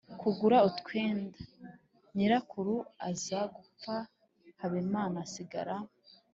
kugura utwenda. Nyirakuru aza gupfa, Habimana asigara